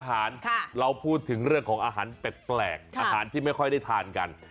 อาหารเราพูดถึงเรื่องของอาหารแปลกอาหารที่ไม่ค่อยได้ทานกัน